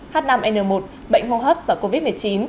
h năm n một bệnh hô hấp và covid một mươi chín